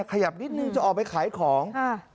ขยับนิดนึงจะออกไปขายของ